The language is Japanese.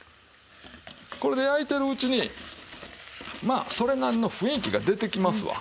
これで焼いてるうちにまあそれなりの雰囲気が出てきますわ。